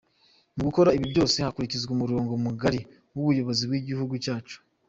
Mu gukora ibi byose hakurikizwa umurongo mugari w’Ubuyobozi bw’Igihugu cyacu.